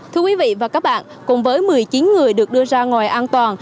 thưa quý vị và các bạn cùng với một mươi chín người được đưa ra ngoài an toàn